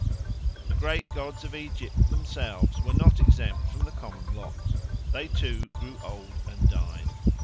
The great gods of Egypt themselves were not exempt from the common lot. They too grew old and died.